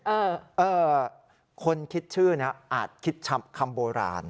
เออคนคิดชื่อนะอาจคิดคำโบราณ